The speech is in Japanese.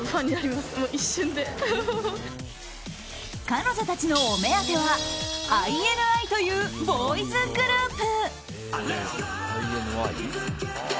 彼女たちのお目当てはＩＮＩというボーイズグループ。